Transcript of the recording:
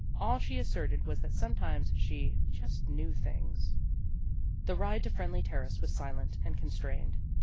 All she asserted was that sometimes she " just knew things." The ride to Friendly Terrace was silent and constrained.